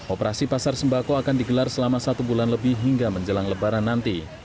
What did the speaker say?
operasi pasar sembako akan digelar selama satu bulan lebih hingga menjelang lebaran nanti